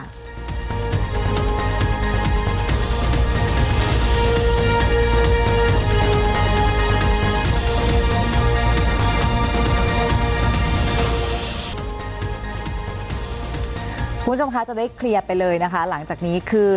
คุณผู้ชมคะจะได้เคลียร์ไปเลยนะคะหลังจากนี้คือ